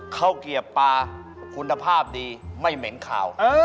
เกียบปลาคุณภาพดีไม่เหม็นขาว